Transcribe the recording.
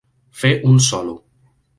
Fer un solo.